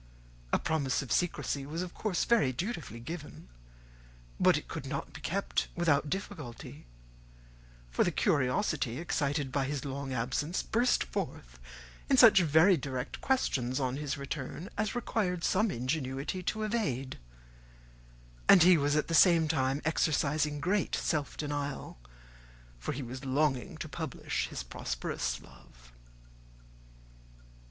A promise of secrecy was of course very dutifully given, but it could not be kept without difficulty; for the curiosity excited by his long absence burst forth in such very direct questions on his return, as required some ingenuity to evade, and he was at the same time exercising great self denial, for he was longing to publish his prosperous love.